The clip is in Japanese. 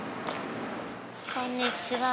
こんにちは。